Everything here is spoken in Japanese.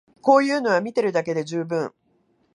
こういうのは見てるだけで充分